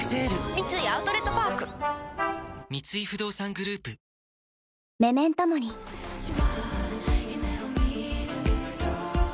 三井アウトレットパーク三井不動産グループプシュ！